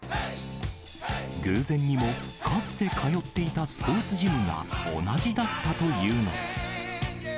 偶然にも、かつて通っていたスポーツジムが同じだったというのです。